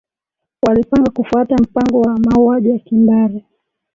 walipanga kufuata mpango wa mauaji ya kimbari